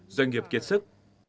doanh nghiệp kiệt sức